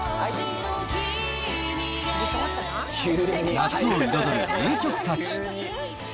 夏を彩る名曲たち。